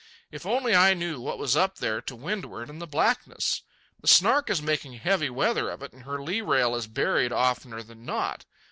If only I knew what was up there to windward in the blackness! The Snark is making heavy weather of it, and her lee rail is buried oftener than not.